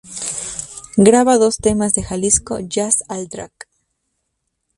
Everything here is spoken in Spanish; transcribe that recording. Graba dos temas del disco: "Jazz al Drac.